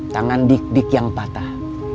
tangan dik dik yang patah